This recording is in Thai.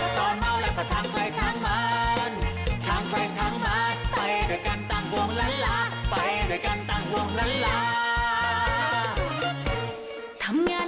ตอนเผาแล้วก็ทางใครทางมัน